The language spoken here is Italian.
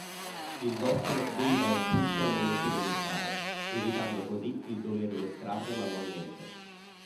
Il bossolo veniva espulso al momento dello sparo, evitando così il doverlo estrarre manualmente.